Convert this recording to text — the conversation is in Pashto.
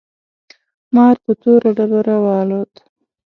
مار پر توره ډبره والوت.